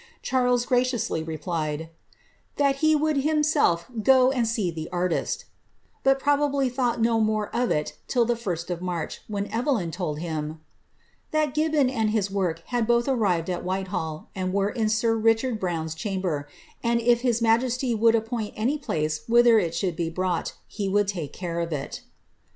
Charles graciously replied, ^ that he would him elf go and see the artist," but probably thought no more of it till the rst of March, when Evelyn told him ^^ that Gibbon and his work had oth arrived at Whitehall, and were in sir Richard Brown's chamber ; od if his majesty would appoint any place whither it should be brought, « would take care for it."